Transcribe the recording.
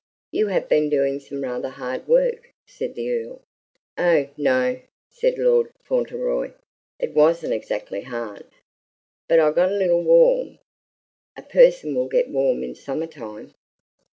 "You have been doing some rather hard work," said the Earl. "Oh, no!" said Lord Fauntleroy, "it wasn't exactly hard, but I got a little warm. A person will get warm in summer time."